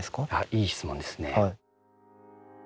いい質問ですね。